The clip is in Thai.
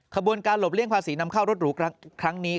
ขบวนการหลบเลี่ยงภาษีนำเข้ารถหรูครั้งนี้